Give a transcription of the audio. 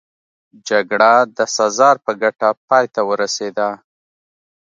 جګړه د سزار په ګټه پای ته ورسېده.